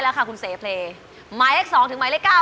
หมวกปีกดีกว่าหมวกปีกดีกว่า